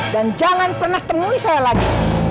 dan jangan pernah temui saya lagi